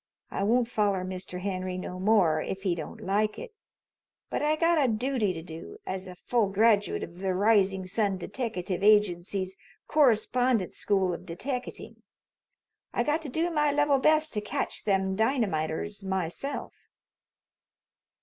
I won't foller Mr. Henry no more, if he don't like it; but I got a dooty to do, as a full graduate of the Rising Sun Deteckative Agency's Correspondence School of Deteckating. I got to do my level best to catch them dynamiters myself."